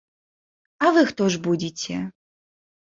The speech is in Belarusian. А вы хто ж будзеце?